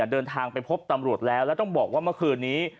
เดินทางไปพบตำรวจแล้วแล้วต้องบอกว่าเมื่อคืนนี้